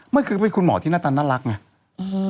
มันคือเป็นคุณหมอที่หน้าตาน่ารักไง